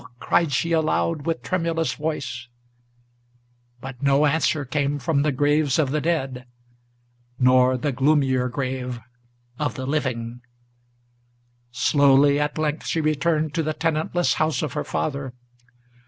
cried she aloud with tremulous voice; but no answer Came from the graves of the dead, nor the gloomier grave of the living. Slowly at length she returned to the tenantless house of her father.